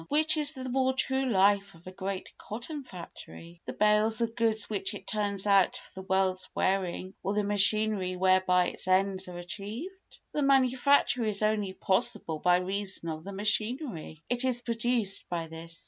Which is the more true life of a great cotton factory—the bales of goods which it turns out for the world's wearing or the machinery whereby its ends are achieved? The manufacture is only possible by reason of the machinery; it is produced by this.